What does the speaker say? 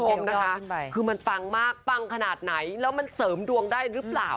คุณผู้ชมนะคะคือมันปังมากปังขนาดไหนแล้วมันเสริมดวงได้หรือเปล่า